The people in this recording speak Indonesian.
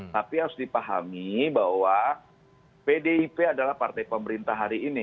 tapi harus dipahami bahwa pdip adalah partai pemerintah hari ini